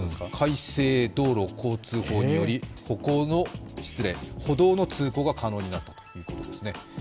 改正道路交通法により歩道の通行が可能になったということですね。